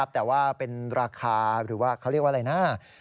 แต่ว่าเป็นราคาหรือว่าเขาเรียกว่าอะไรนะ